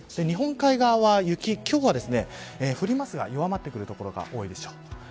日本海側は雪で降りますが、弱まっている所が多いでしょう。